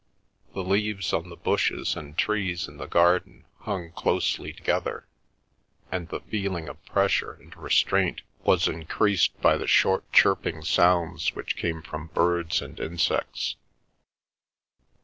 The leaves on the bushes and trees in the garden hung closely together, and the feeling of pressure and restraint was increased by the short chirping sounds which came from birds and insects.